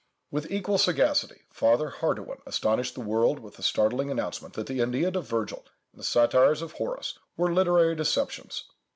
With equal sagacity, Father Hardouin astonished the world with the startling announcement that the Æneid of Virgil, and the satires of Horace, were literary deceptions.